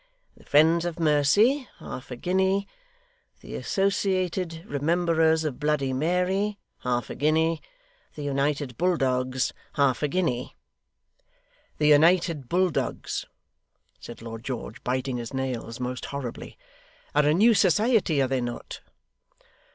The Friends of Mercy, half a guinea. The Associated Rememberers of Bloody Mary, half a guinea. The United Bulldogs, half a guinea."' 'The United Bulldogs,' said Lord George, biting his nails most horribly, 'are a new society, are they not?